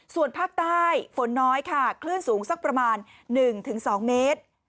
ส่วนภาคใต้ฝนน้อยค่ะคลื่นสูงสักประมาณ๑๒เมตร